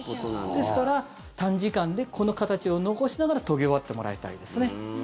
ですから、短時間でこの形を残しながら研ぎ終わってもらいたいですね。